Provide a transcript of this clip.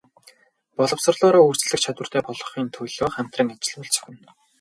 Боловсролоороо өрсөлдөх чадвартай болгохын төлөө хамтран ажиллавал зохино.